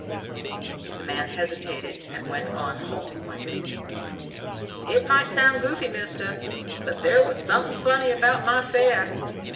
The man hesitated and went on haltingly: "It might sound goofy, mister, but there was something funny about my fare.